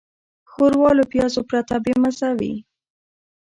ښوروا له پیازو پرته بېمزه وي.